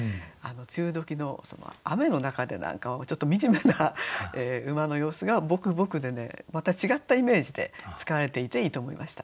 梅雨時の雨の中で何かちょっと惨めな馬の様子が「ぼくぼく」でねまた違ったイメージで使われていていいと思いました。